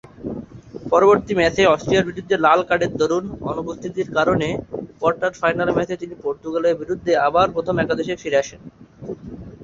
পরবর্তী ম্যাচে অস্ট্রিয়ার বিরুদ্ধে লাল কার্ডের দরুন অনুপস্থিতির কারণে কোয়ার্টার-ফাইনাল ম্যাচে তিনি পর্তুগালের বিরুদ্ধে আবার প্রথম একাদশে ফিরে আসেন।